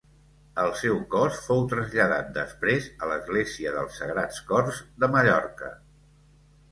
El seu cos fou traslladat després a l'església dels Sagrats Cors de Mallorca.